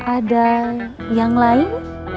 ada yang lain